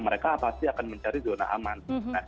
mereka pasti akan mencari zona aman